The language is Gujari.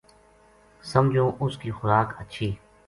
سمجھو اُس کی خوراک ہچھی